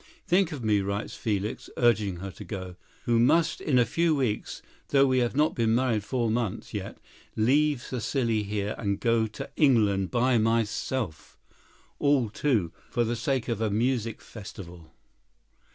"Think of me," writes Felix, urging her to go, "who must in a few weeks, though we have not been married four months yet, leave Cécile here and go to England by myself—all, too, for the sake of a music festival.